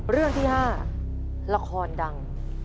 เรื่องที่๕ละครดัง